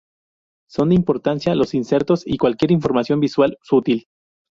Son de importancia los insertos y cualquier información visual sutil.